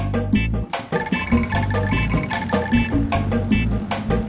bapak lagi otw